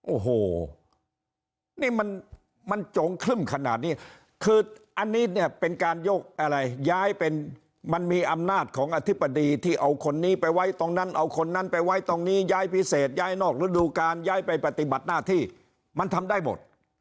โอ้โหนี่มันมันโจงครึ่มขนาดนี้คืออันนี้เนี่ยเป็นการยกอะไรย้ายเป็นมันมีอำนาจของอธิบดีที่เอาคนนี้ไปไว้ตรงนั้นเอาคนนั้นไปไว้ตรงนี้ย้ายพิเศษย้ายนอกระดูกาย้ายไปปฏิบัติหน้าที่มันทำได้หมด